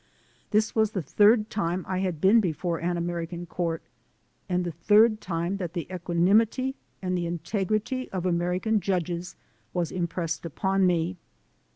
This was the third time I had been before an American court and the third time that the equanimity and the integrity of American judges was impressed upon me.